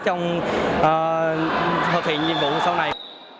trong thực hiện nhiệm vụ sau này